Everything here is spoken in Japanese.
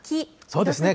そうですね。